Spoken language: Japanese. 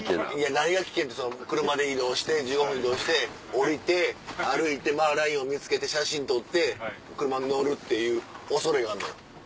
何が危険って車で移動して１５分移動して降りて歩いてマーライオン見つけて写真撮って車に乗るっていう恐れがあんのよ